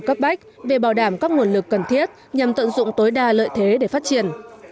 cấp bách về bảo đảm các nguồn lực cần thiết nhằm tận dụng tối đa lợi thế để phát triển